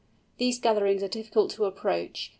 These gatherings are difficult to approach.